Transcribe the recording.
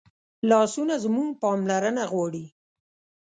لاسونه زموږ پاملرنه غواړي